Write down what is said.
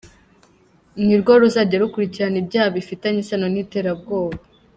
Ni rwo ruzajya rukurikirana ibyaha bifitanye isano n'iterabwoba.